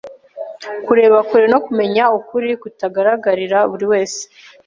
kureba kure no kumenya ukuri kutagaragarira buri wese